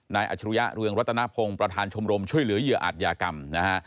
อัจฉริยะเรืองรัตนพงศ์ประธานชมรมช่วยเหลือเหยื่ออาจยากรรมนะฮะ